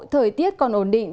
thời tiết còn ổn định